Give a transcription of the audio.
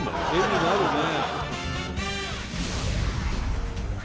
画になるね。